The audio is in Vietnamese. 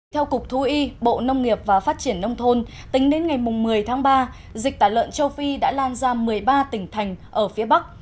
theo cục thú y bộ nông nghiệp và phát triển nông thôn tính đến ngày một mươi tháng ba dịch tả lợn châu phi đã lan ra một mươi ba tỉnh thành ở phía bắc